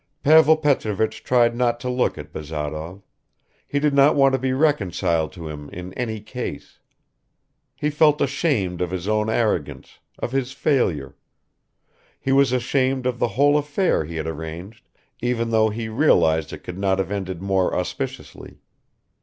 Pavel Petrovich tried not to look at Bazarov; he did not want to be reconciled to him in any case; he felt ashamed of his own arrogance, of his failure; he was ashamed of the whole affair he had arranged even though he realized it could not have ended more auspiciously.